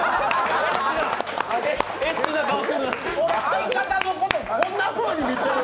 相方のことこんなふうに見てる！？